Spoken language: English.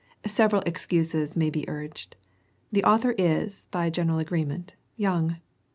Several excuses may be urged; the author is, by general agreement, young.